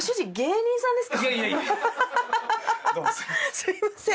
すみません。